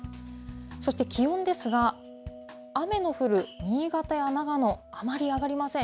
そして気温ですが、雨の降る新潟や長野、あまり上がりません。